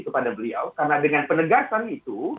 kepada beliau karena dengan penegasan itu